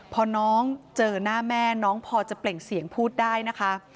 พอน้องเจอหน้าแม่น้องพอจะเปล่งเสียงพูดได้นะคะ